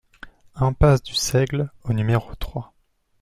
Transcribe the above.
Impasse du Seigle au numéro trois